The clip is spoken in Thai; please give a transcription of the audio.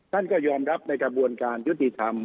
ท่านก็ยอมรับในกระบวนการยุติธรรม